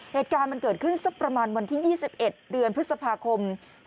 เหตุการณ์มันเกิดขึ้นสักประมาณวันที่๒๑เดือนพฤษภาคม๒๕๖